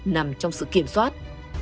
nằm trong sự kiểm soát